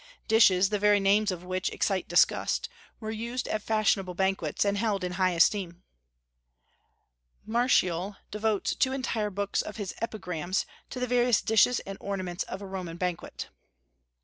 Dishes, the very names of which excite disgust, were used at fashionable banquets, and held in high esteem. Martial devotes two entire books of his "Epigrams" to the various dishes and ornaments of a Roman banquet.